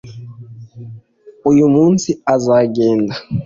uyu munsi azagenda.